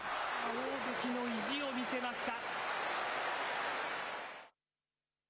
大関の意地を見せました。